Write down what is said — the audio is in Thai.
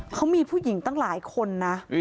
เขามีผู้หญิงตั้งหลายคนนะ